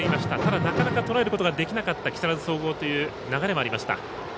ただ、なかなかとらえることができなかった木更津総合という流れがありました。